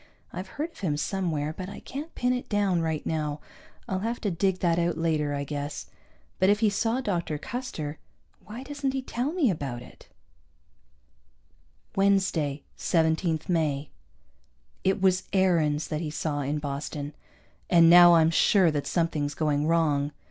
I've heard of him somewhere, but I can't pin it down right now. I'll have to dig that out later, I guess. But if he saw Dr. Custer, why doesn't he tell me about it? Wednesday, 17 May. It was Aarons that he saw in Boston, and now I'm sure that something's going wrong.